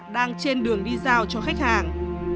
đang trên đường đi giao cho khách hàng